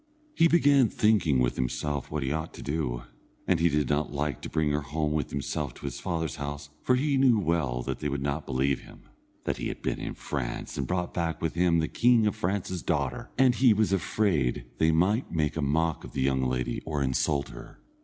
He began thinking with himself what he ought to do, and he did not like to bring her home with himself to his father's house, for he knew well that they would not believe him, that he had been in France and brought back with him the king of France's daughter, and he was afraid they might make a mock of the young lady or insult her.